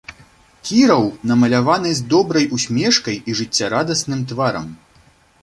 Кіраў намаляваны з добрай усмешкай і жыццярадасным тварам.